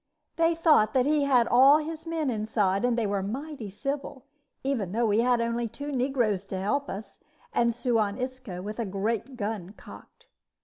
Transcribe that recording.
They thought that he had all his men inside, and they were mighty civil, though we had only two negroes to help us, and Suan Isco, with a great gun cocked.